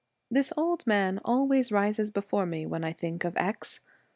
This old man always rises before me when I think of X